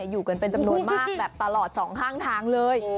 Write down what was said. อยู่กันเป็นจำนวนมากแบบตลอดสองข้างทางเลย